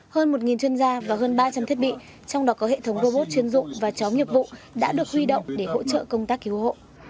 hơn một chuyên gia và hơn ba trăm linh thiết bị trong đó có hệ thống robot chuyên dụng và chó nghiệp vụ đã được huy động để hỗ trợ công tác cứu hộ